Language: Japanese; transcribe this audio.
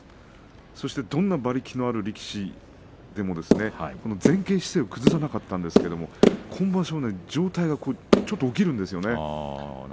どんな馬力のある力士にも前傾姿勢を崩さなかったんですけど今場所は状態がちょっと起きるんですよね。